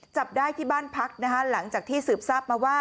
จับได้ที่บ้านพักนะคะหลังจากที่สืบทราบมาว่า